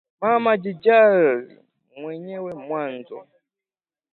Mama jijali mwenyewe mwanzo